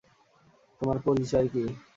তোমার পরিচয় কি?